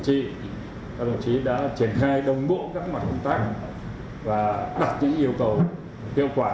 các đồng chí đã đồng bộ các mặt công tác và đạt những yêu cầu tiêu quả